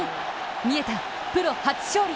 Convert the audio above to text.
見えた、プロ初勝利。